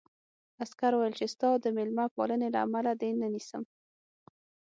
عسکر وویل چې ستا د مېلمه پالنې له امله دې نه نیسم